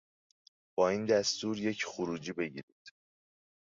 با این دستور یک خروجی بگیرید